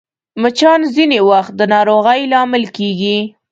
مچان ځینې وخت د ناروغۍ لامل کېږي